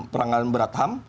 pelanggaran berat ham